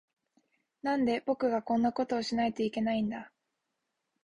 なんで、僕がこんなことをしないといけないんだ。